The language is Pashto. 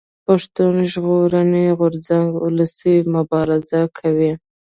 پښتون ژغورني غورځنګ اولسي مبارزه کوي